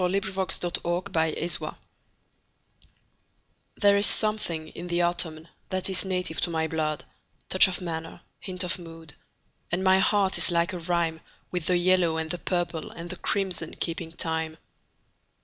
Bliss Carman A Vagabond Song THERE is something in the autumn that is native to my blood—Touch of manner, hint of mood; And my heart is like a rhyme, With the yellow and the purple and the crimson keeping time.